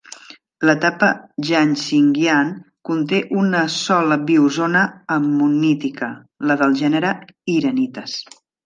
L'etapa Changhsingian conté una sola biozona ammonítica: la del gènere "Iranites".